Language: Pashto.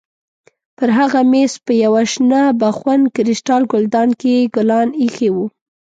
پر هغه مېز په یوه شنه بخون کریسټال ګلدان کې ګلان ایښي وو.